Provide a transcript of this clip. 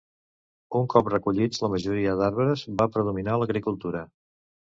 Un cop recollits la majoria d'arbres, va predominar l'agricultura.